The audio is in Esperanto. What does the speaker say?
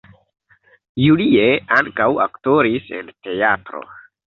Julie ankaŭ aktoris en teatro.